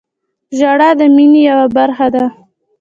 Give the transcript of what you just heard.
• ژړا د مینې یوه برخه ده.